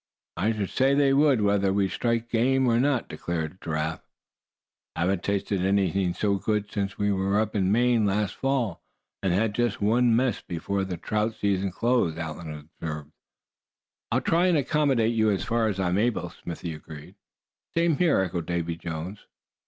"I should say they would, whether we strike game or not," declared Giraffe. "Haven't tasted anything so good since we were up in Maine last fall, and had just one mess before the trout season closed," Allan observed. "I'll try and accommodate you as far as I'm able," Smithy agreed. "Same here," echoed Davy Jones.